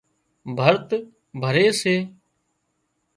ڀرت ڀري سي